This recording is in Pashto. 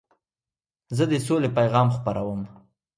زه د سولي پیغام خپروم.